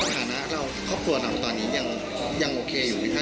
ฐานะเราครอบครัวเราตอนนี้ยังโอเคอยู่ไหมคะ